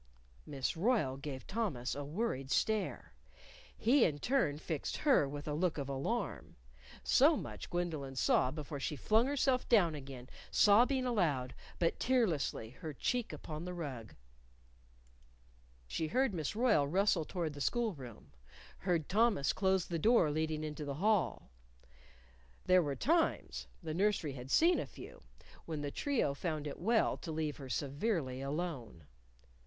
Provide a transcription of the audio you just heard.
_" Miss Royle gave Thomas a worried stare. He, in turn, fixed her with a look of alarm. So much Gwendolyn saw before she flung herself down again, sobbing aloud, but tearlessly, her cheek upon the rug. She heard Miss Royle rustle toward the school room; heard Thomas close the door leading into the hall. There were times the nursery had seen a few when the trio found it well to let her severely alone.